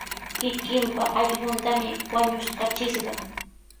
Kikinpa allquntami wañuskachishqa.